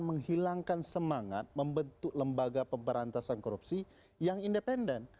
menghilangkan semangat membentuk lembaga pemberantasan korupsi yang independen